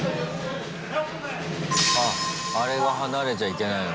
ああれが離れちゃいけないの。